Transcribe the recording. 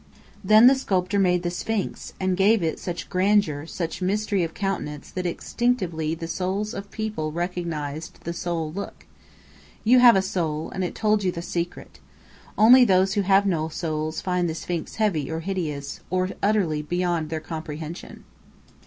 Then the sculptor made the Sphinx, and gave it such grandeur, such mystery of countenance that instinctively the souls of people recognized the soul look. You have a soul, and it told you the secret. Only those who have no souls find the Sphinx heavy or hideous, or utterly beyond their comprehension."